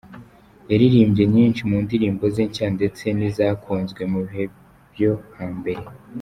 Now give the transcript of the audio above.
Yaririmbye nyinshi mu ndirimbo ze nshya ndetse n’izakunzwe mu bihe byo hambere.